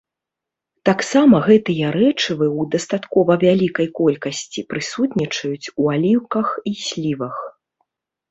Таксама гэтыя рэчывы ў дастаткова вялікай колькасці прысутнічаюць у аліўках і слівах.